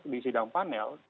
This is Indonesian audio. di sidang panel